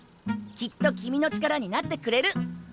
きっと君の力になってくれる。